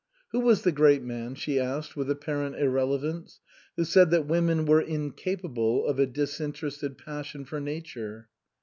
" Who was the great man ?" she asked with apparent irrelevance, " who said that women were incapable of a disinterested passion for nature